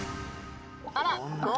あら。